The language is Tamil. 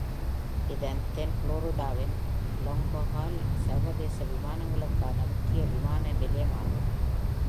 இது தென் புளோரிடாவின் லாங்-ஹலால் சர்வதேச விமானங்களுக்கான முக்கிய விமான நிலையமாகும்.